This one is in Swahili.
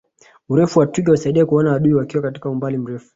urefu wa twiga husaidia kuona adui wakiwa kwa umbali mrefu